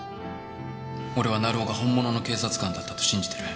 俺は成尾が本物の警察官だったと信じてる。